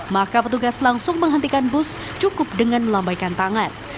maka petugas langsung menghentikan bus cukup dengan melambaikan tangan